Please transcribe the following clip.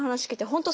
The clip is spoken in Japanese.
本当